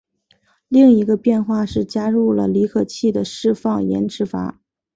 另一个变化是加入了离合器的释放延迟阀。